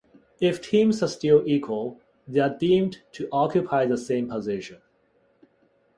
If teams are still equal they are deemed to occupy the same position.